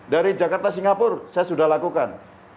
dari jakarta singapura saya sudah lakukan